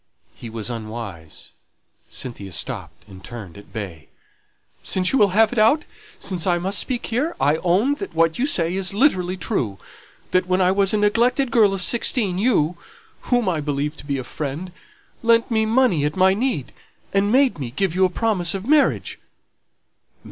He was unwise Cynthia stopped, and turned at bay. "Since you will have it out, since I must speak here, I own that what you say is literally true; that when I was a neglected girl of sixteen, you whom I believed to be a friend, lent me money at my need, and made me give you a promise of marriage."